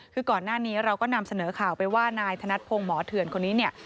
คือก่อนหน้านี้เราก็นำเสนอข่าวไปว่านายธนัดพงศ์หมอเถื่อนคนนี้เนี่ย